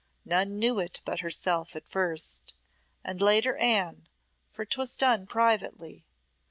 None knew it but herself at first, and later Anne, for 'twas done privately.